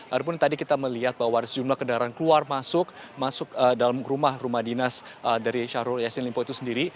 ada pun tadi kita melihat bahwa ada sejumlah kendaraan keluar masuk masuk dalam rumah rumah dinas dari syahrul yassin limpo itu sendiri